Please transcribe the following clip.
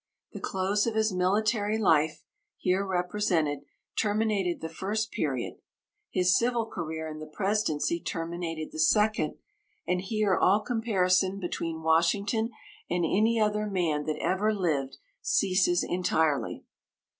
The close of his military life (here represented) terminated the first period. His civil career in the presidency terminated the second; and here all comparison between Washington and any other man that ever lived ceases entirely.